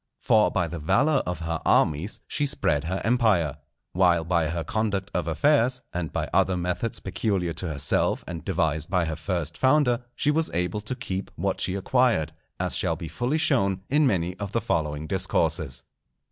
For by the valour of her armies she spread her empire, while by her conduct of affairs, and by other methods peculiar to herself and devised by her first founder, she was able to keep what she acquired, as shall be fully shown in many of the following Discourses.